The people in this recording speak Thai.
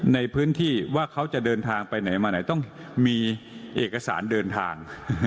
ในพื้นที่ว่าเขาจะเดินทางไปไหนมาไหนต้องมีเอกสารเดินทาง